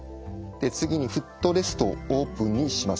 次にフットレストをオープンにします。